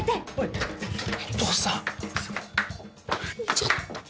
ちょっと！